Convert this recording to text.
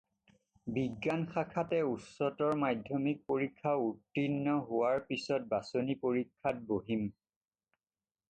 বিজ্ঞান শাখাতে উচ্চতৰ মাধ্যমিক পৰীক্ষা উত্তীৰ্ণ হোৱাৰ পিছত বাছনি পৰীক্ষাত বহিম।